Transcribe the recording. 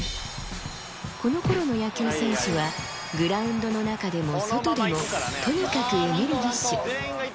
このころの野球選手は、グラウンドの中でも外でも、とにかくエネルギッシュ。